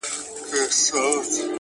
خاموش کار تر څرګندو خبرو ژور اغېز لري.!